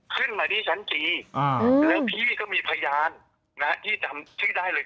ขึ้นมาที่ชั้นจีแล้วพี่ก็มีพยานนะที่จำชื่อได้เลย